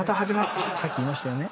さっき言いましたよね？